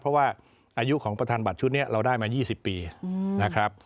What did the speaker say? เพราะว่าอายุของประธานบัตรชุดนี้เราได้มา๒๐ปีนะครับ